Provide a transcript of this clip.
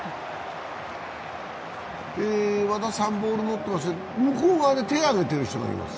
和田さん、ボール持ってますね、向こう側で手を上げてる人がいます。